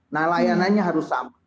nah layanannya harus sama